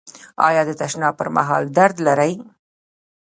ایا د تشناب پر مهال درد لرئ؟